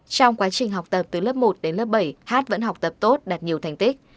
trong quá trình học tập từ lớp một đến lớp bảy hát vẫn học tập tốt đạt nhiều thành tích